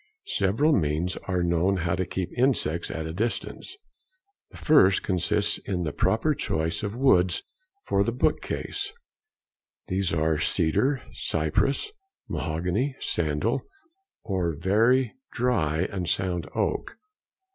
Several means are known how to keep insects at a distance. The first consists in the |167| proper choice of woods for the book case: these are cedar, cypress, mahogany, sandal, or very dry and sound oak.